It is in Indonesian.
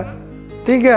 oke papa buka ya